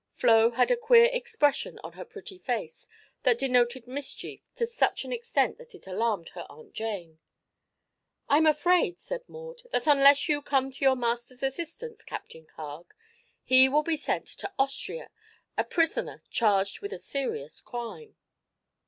Flo had a queer expression on her pretty face that denoted mischief to such an extent that it alarmed her Aunt Jane. "I'm afraid," said Maud, "that unless you come to your master's assistance, Captain Carg, he will be sent to Austria, a prisoner charged with a serious crime."